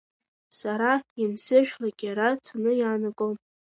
Сара иансыршәлак иара цаны иаанагон.